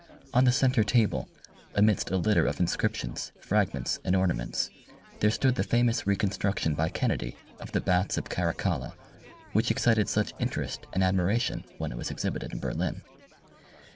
On the centre table, amidst a litter of inscriptions, fragments, and ornaments, there stood the famous reconstruction by Kennedy of the Baths of Caracalla, which excited such interest and admiration when it was exhibited in Berlin.